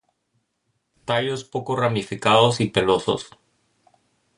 Tallos poco ramificados y pelosos.